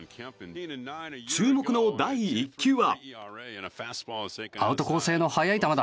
注目の第１球は。